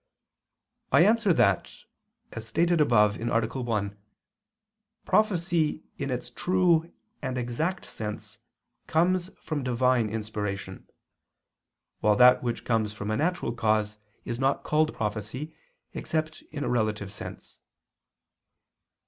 I answer that, As stated above (A. 1), prophecy in its true and exact sense comes from Divine inspiration; while that which comes from a natural cause is not called prophecy except in a relative sense.